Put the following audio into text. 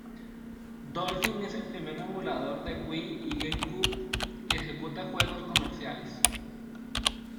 Dolphin es el primer emulador de Wii y GameCube que ejecuta juegos comerciales.